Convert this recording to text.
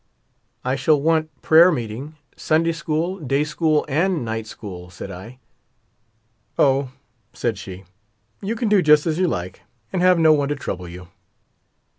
"I shall want prayer meeting, Sunday school, day school, and night school," said I. "Oh," said she, "you can do just as you like, and have no one to trouble you."